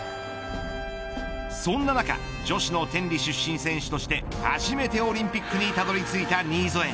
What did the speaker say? そんな中、女子の天理出身選手として初めてオリンピックにたどり着いた新添。